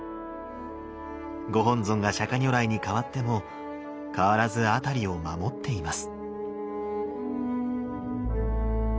ご本尊が釈如来にかわってもかわらず辺りを守っています。